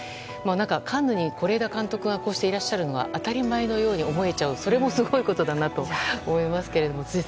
カンヌに是枝監督がいらっしゃるのが当たり前のように思えちゃうそれもすごいことだなと思いますけども。